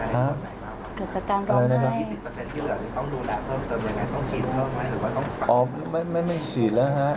ร้องไห้ครับหรือว่าอ๋อไม่ไม่ไม่ฉีดแล้วฮะ